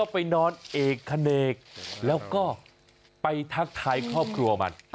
ไปนอนเอกขเนกแล้วก็ไปทักทายครอบครัวมัน